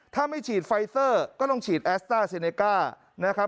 ถ้าไม่ฉีดไฟซอร์ก็ต้องฉีดแอสตาร์เซเนกา